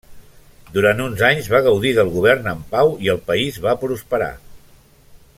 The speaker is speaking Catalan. Durant uns anys va gaudir del govern en pau i el país va prosperar.